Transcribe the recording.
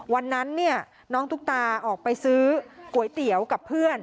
วันนั้นเนี่ยน้องตุ๊กตาออกไปซื้อก๋วยเตี๋ยวกับเพื่อน